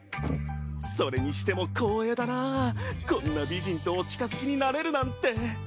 それにしても光栄だなぁこんな美人とお近づきになれるなんて。